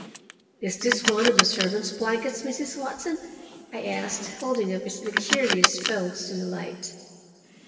"Is this one of the servants' blankets, Mrs. Watson?" I asked, holding up its luxurious folds to the light.